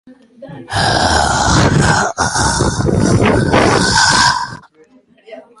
Horra gizona, izaki harrigarri hori!